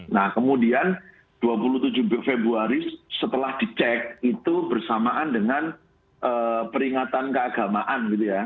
nah kemudian dua puluh tujuh februari setelah dicek itu bersamaan dengan peringatan keagamaan gitu ya